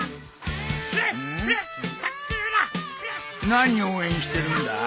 何応援してるんだ？